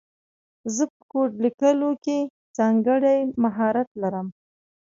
زه په کوډ لیکلو کې ځانګړی مهارت لرم